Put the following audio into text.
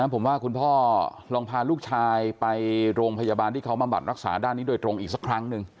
ผมว่าคุณพ่อลองพาลูกชายไปโรงพยาบาลที่เขามาบัดรักษาด้านนี้โดยตรงอีกสักครั้งหนึ่ง